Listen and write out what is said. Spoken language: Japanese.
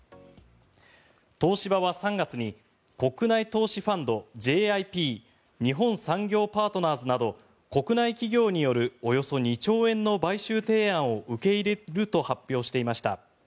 東芝は３月に国内投資ファンドＪＩＰ・日本産業パートナーズなど国内企業によるおよそ２兆円の買収提案を受け入れると発表していました。